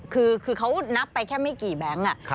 คือเขานับไปแค่ไม่กี่แบงค์